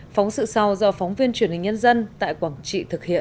phóng sự sau do phóng viên truyền hình nhân dân tại quảng trị thực hiện